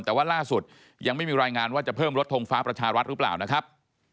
แต่ว่าล่าสุดยังไม่มีรายงานว่าจะเพิ่มรถทงฟ้าประชารัฐหรือเปล่านะครับ